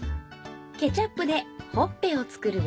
ケチャップでほっぺを作るよ。